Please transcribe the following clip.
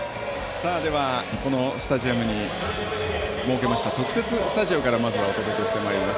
このスタジアムに設けました特設スタジオからお届けしてまいります。